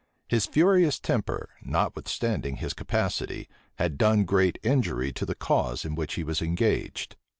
His furious temper, notwithstanding his capacity, had done great injury to the cause in which he was engaged.